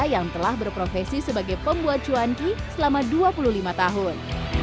yang telah berprofesi sebagai pembuat cuanki selama dua puluh lima tahun